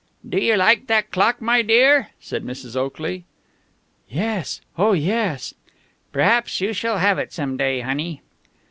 "Do you like that clock, my dear?" said Mrs. Oakley. "Yes! Oh, yes!" "Perhaps you shall have it some day, honey."